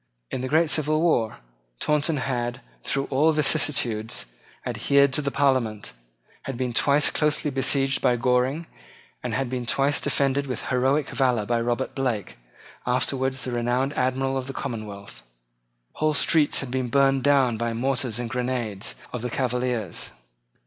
In the great civil war Taunton had, through all vicissitudes, adhered to the Parliament, had been twice closely besieged by Goring, and had been twice defended with heroic valour by Robert Blake, afterwards the renowned Admiral of the Commonwealth. Whole streets had been burned down by the mortars and grenades of the Cavaliers.